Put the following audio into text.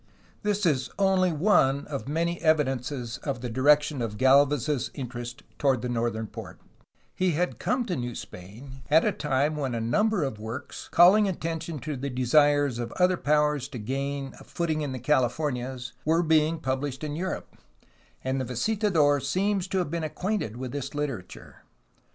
This is only one of many evidences of the di rection of Galvez's interest toward the northern port; he had come to New Spain at a time when a number of works calling attention to the desires of other powers to gain a footing in the Californias were being published in Europe, and the visitador seems to have been acquainted with this literature.